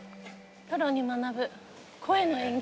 「プロに学ぶ声の演劇」